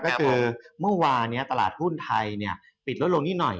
เมื่อวานยังตลาดหุ้นไทยปิดละลงนี้หน่อย